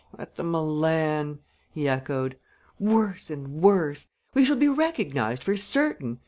"At the Milan!" he echoed. "Worse and worse! We shall be recognized for certain!